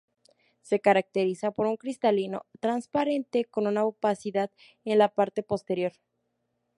Se caracteriza por un cristalino transparente con una opacidad en la parte posterior.